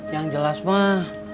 yang jelas mah